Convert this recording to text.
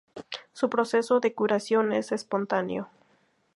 Su proceso de curación es espontáneo.